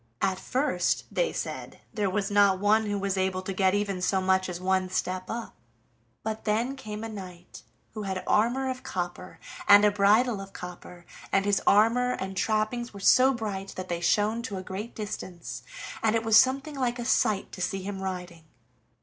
At first, they said, there was not one who was able to get even so much as one step up, but then came a knight who had armor of copper, and a bridle of copper, and his armor and trappings were so bright that they shone to a great distance, and it was something like a sight to see him riding.